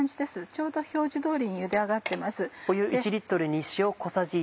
ちょうど表示通りにゆで上がってます。